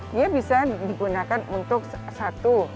dia bisa digunakan untuk satu